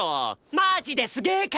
「マジですげえ体！